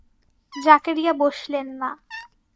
জাকারিয়া বসলেন না।